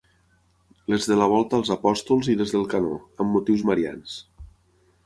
Les de la volta als Apòstols i les del canó, amb motius marians.